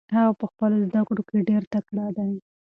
هغه په خپلو زده کړو کې ډېر تکړه دی.